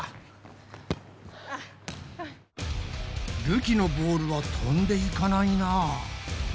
るきのボールはとんでいかないな。